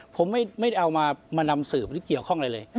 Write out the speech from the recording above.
ผมไม่ได้เอามานำสืบหรือเกี่ยวข้องอะไรเลย